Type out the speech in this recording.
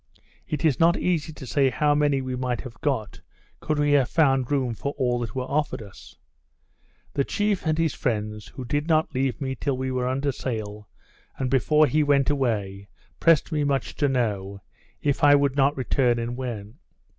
It is not easy to say how many we might have got, could we have found room for all that were offered us. The chief, and his friends, did not leave me till we were under sail, and before he went away, pressed me much to know, if I would not return, and when?